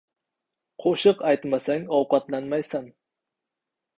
• Qo‘shiq aytmasang ― ovqatlanmaysan.